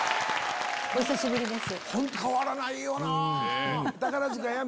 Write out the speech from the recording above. お久しぶりです。